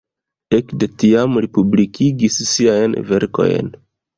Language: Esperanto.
Ekde tiam li publikigis siajn verkojn.